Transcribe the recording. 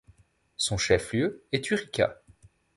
Son chef-lieu est Urica.